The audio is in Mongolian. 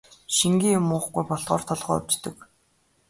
Шингэн юм уухгүй болохоор толгой өвдөг.